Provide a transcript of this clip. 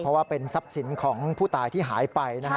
เพราะว่าเป็นทรัพย์สินของผู้ตายที่หายไป